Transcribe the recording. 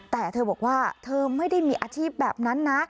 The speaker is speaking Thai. แต่เธอบอกว่าเธอไม่ได้มีอาชีพแบบนั้นนะ